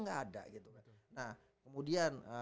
gak ada gitu kan nah kemudian